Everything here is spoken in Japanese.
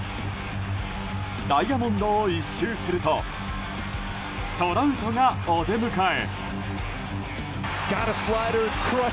ダイヤモンドを１周するとトラウトがお出迎え。